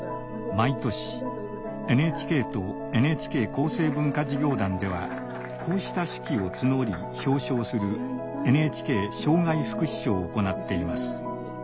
毎年ＮＨＫとＮＨＫ厚生文化事業団ではこうした手記を募り表彰する「ＮＨＫ障害福祉賞」を行っています。